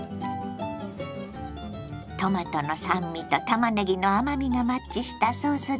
トマトの酸味とたまねぎの甘みがマッチしたソースです。